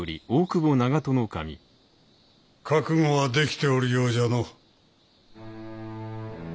覚悟はできておるようじゃの。